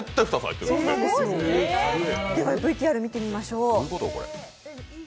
ではＶＴＲを見てみましょう。